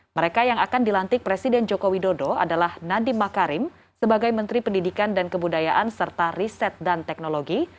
mereka yang akan dilantik presiden joko widodo adalah nadiem makarim sebagai menteri pendidikan dan kebudayaan serta riset dan teknologi